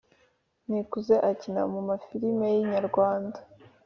nikuze akina mu mafilime yinyarwanda